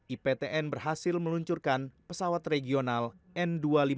iptn berhasil meluncurkan pesawat regional n dua ratus lima puluh